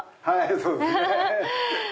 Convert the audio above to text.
そうですね。